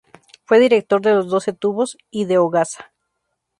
Fue director de Los Doce Tubos y de Hogaza.